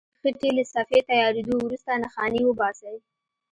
د خټې له صفحې تیارېدو وروسته نښانې وباسئ.